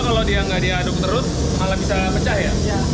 kalau dia nggak diaduk terus malah bisa pecah ya